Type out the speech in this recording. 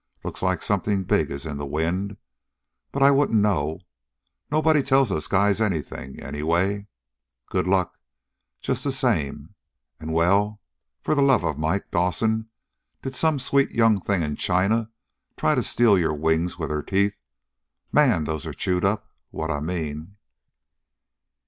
Looks like something big is in the wind, but I wouldn't know. Nobody tells us guys anything, anyway. Good luck, just the same, and Well, for the love of Mike, Dawson! Did some sweet young thing in China try to steal your wings with her teeth? Man, those are chewed up, what I mean!"